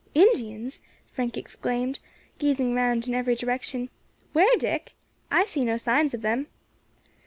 "Indians!" Frank exclaimed, gazing round in every direction. "Where, Dick? I see no signs of them."